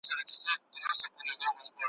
زه په دې چي مي بدرنګ سړی منلی ,